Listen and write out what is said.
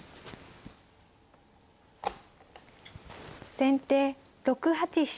先手６八飛車。